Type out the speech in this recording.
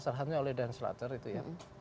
salah satunya oleh dan slater itu ya